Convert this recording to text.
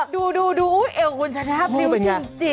ต้องโยกแบบคุณชนะนี่ครับคุณพุทธคอมดูสิคะ